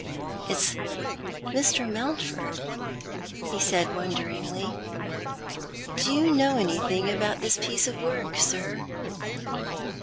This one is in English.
" It's Mr. Mountford," he said, wonderingly. " Do you know anything about this piece of work, sir